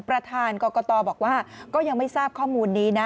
ประธานกรกตบอกว่าก็ยังไม่ทราบข้อมูลนี้นะ